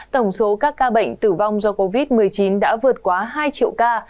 tổng số các ca bệnh tử vong do covid một mươi chín đã vượt quá hai triệu ca